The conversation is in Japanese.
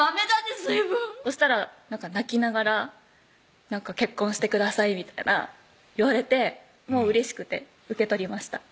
ずいぶんそしたら泣きながら「結婚してください」みたいな言われてもううれしくて受け取りました